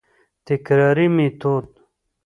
تکراري ميتود: